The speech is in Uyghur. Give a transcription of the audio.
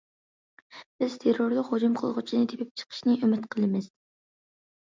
بىز تېررورلۇق ھۇجۇم قىلغۇچىنى تېپىپ چىقىشنى ئۈمىد قىلىمىز.